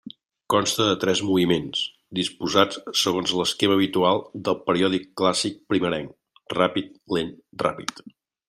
Consta de tres moviments, disposats segons l'esquema habitual del període clàssic primerenc: ràpid-lent-ràpid.